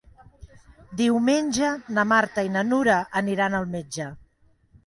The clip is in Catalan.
Diumenge na Marta i na Nura aniran al metge.